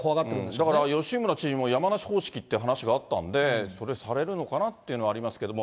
だから吉村知事も、山梨方式っていう話があったので、それされるのかなっていうのはありますけども。